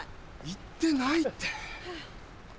行ってないって。